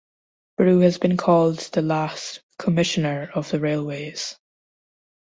Brew has been called the last "commissioner" of the railways.